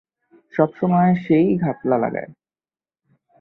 সবসময় সেই ঘাপলা লাগায়।